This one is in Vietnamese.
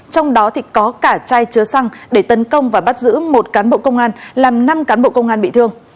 trong đó có cả chai chứa xăng để tấn công và bắt giữ một cán bộ công an làm năm cán bộ công an bị thương